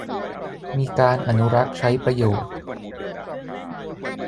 มีการอนุรักษ์ใช้ประโยชน์